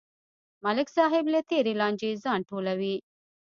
ملک صاحب له تېرې لانجې ځان ټولوي.